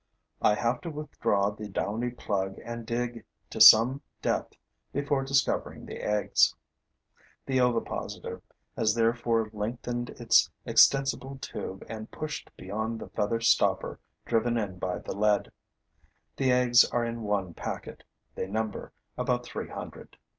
I have to withdraw the downy plug and dig to some depth before discovering the eggs. The ovipositor has therefore lengthened its extensible tube and pushed beyond the feather stopper driven in by the lead. The eggs are in one packet; they number about three hundred.